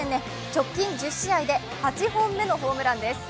直近１０試合で８本目のホームランです。